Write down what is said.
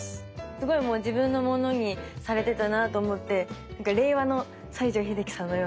すごい自分のものにされてたなと思って令和の西城秀樹さんのような感じでした。